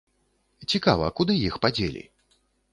Цікава, куды іх падзелі?